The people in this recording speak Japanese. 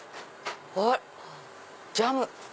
あっジャム。